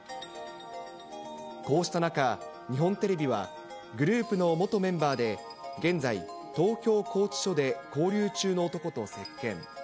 こうした中、日本テレビは、グループの元メンバーで、現在、東京拘置所で拘留中の男と接見。